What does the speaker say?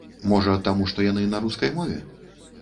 Можа, таму што яны на рускай мове?